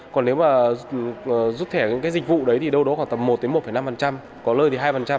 còn nếu mà rút thẻ những cái dịch vụ đấy thì đâu đó khoảng tầm một một năm có lời thì hai